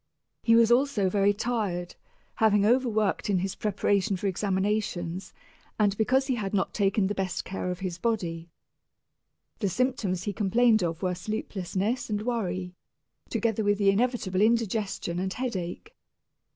He was also very tired, having overworked in his preparation for examinations, and because he had not taken the best care of his body. The symptoms he complained of were sleeplessness and worry, together with the inevitable indigestion and headache.